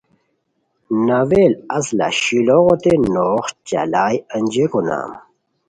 ناول اصلہ شیلوغوتے نوغ چالائے انجئیکو نام